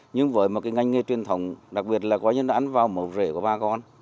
nhưng với một ngành nghề truyền thống đặc biệt là ăn vào mầu rễ của bà con